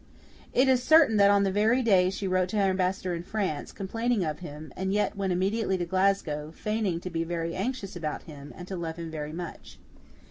It is certain that on that very day she wrote to her ambassador in France, complaining of him, and yet went immediately to Glasgow, feigning to be very anxious about him, and to love him very much.